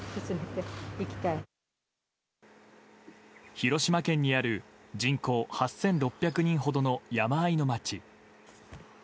広島県にある人口８６００人ほどの山あいの町。